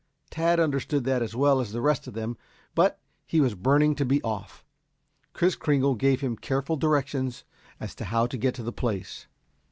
Tad understood that as well as the rest of them, but he was burning to be off. Kris Kringle gave him careful directions as to how to get to the place.